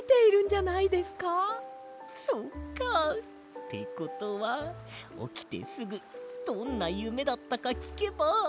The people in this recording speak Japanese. そっか。ってことはおきてすぐどんなゆめだったかきけば。